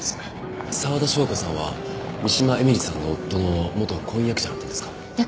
沢田紹子さんは三島絵美里さんの夫の元婚約者だったんですか？